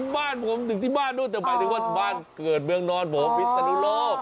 บ้านผมถึงที่บ้านนู้นแต่หมายถึงว่าบ้านเกิดเมืองนอนผมพิศนุโลก